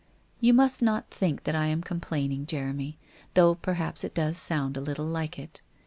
You must not think that I am complaining, Jeremy, though perhaps it does sound a little like it.